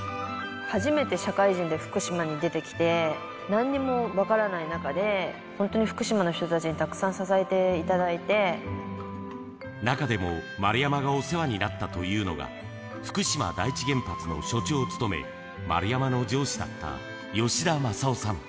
初めて社会人で福島に出てきて、なんにも分からない中で、本当に福島の人たちにたくさん支えてい中でも、丸山がお世話になったというのが、福島第一原発の所長を務め、丸山の上司だった、吉田昌郎さん。